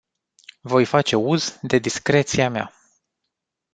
Voi face uz de discreția mea.